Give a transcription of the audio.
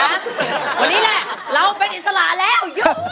วันนี้แหละเราเป็นอิสระแล้ว